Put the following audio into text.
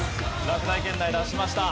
落第圏内脱しました。